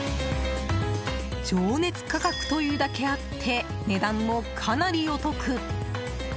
情熱価格というだけあって値段もかなりお得！